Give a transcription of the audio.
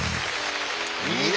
いいね